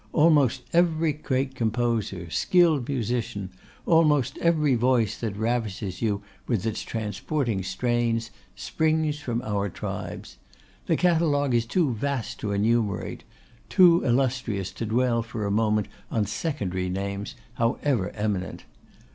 Almost every great composer, skilled musician, almost every voice that ravishes you with its transporting strains, springs from our tribes. The catalogue is too vast to enumerate; too illustrious to dwell for a moment on secondary names, however eminent.